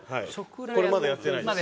これまだやってないです。